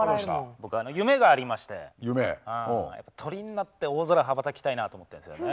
僕夢がありまして鳥になって大空羽ばたきたいなと思ってるんですよね。